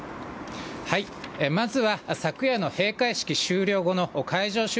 まずは昨夜の閉会式終了後の会場